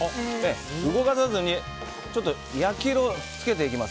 動かさずにちょっと焼き色をつけていきます。